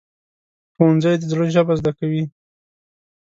ښوونځی د زړه ژبه زده کوي